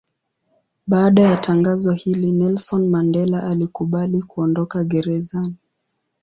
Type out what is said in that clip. Baada ya tangazo hili Nelson Mandela alikubali kuondoka gerezani.